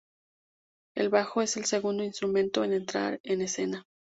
El bajo es el segundo instrumento en entrar en escena.